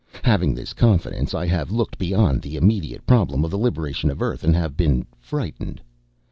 Having this confidence, I have looked beyond the immediate problem of the liberation of Earth and have been frightened.